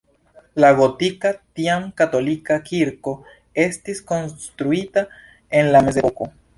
La gotika, tiam katolika kirko estis konstruita en la mezepoko.